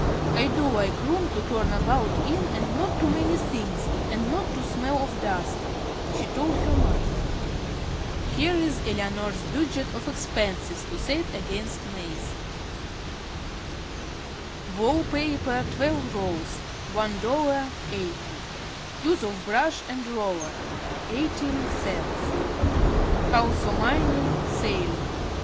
"I do like room to turn about in and not too many things, and not to smell of dust," she told her mother. Here is Eleanor's budget of expenses, to set against May's: Wall paper, twelve rolls $1.80 Use of brush and roller .18 Kalsomining ceiling 1.